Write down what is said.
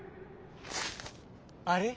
あれ？